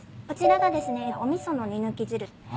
こちらがですねお味噌の煮抜き汁。